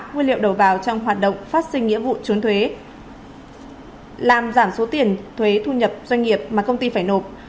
nguyên liệu đầu vào trong hoạt động phát sinh nghĩa vụ trốn thuế làm giảm số tiền thuế thu nhập doanh nghiệp mà công ty phải nộp